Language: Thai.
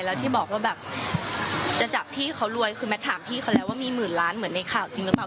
แล้วที่บอกว่าแบบจะจับพี่เขารวยคือแมทถามพี่เขาแล้วว่ามีหมื่นล้านเหมือนในข่าวจริงหรือเปล่า